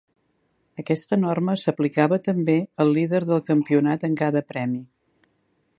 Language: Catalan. Aquesta norma s'aplicava també al líder del Campionat en cada Gran Premi.